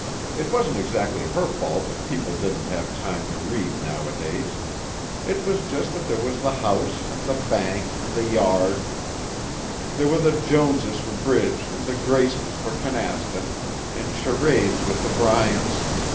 It wasn't exactly her fault if people didn't have time to read nowadays. It was just that there was the house, and the bank, and the yard. There were the Jones' for bridge and the Graysons' for canasta and charades with the Bryants.